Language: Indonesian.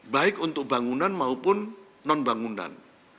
baik untuk bangunan maupun non bangunan